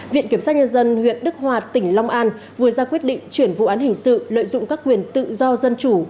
viện kiểm sát nhân dân huyện đức hòa tỉnh long an vừa ra quyết định chuyển vụ án hình sự lợi dụng các quyền tự do dân chủ